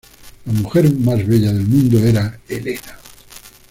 La mujer más bella del mundo era Helena.